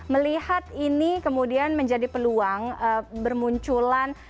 melihat ini kemudian menjadi peluang bermunculan